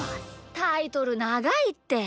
タイトルながいって。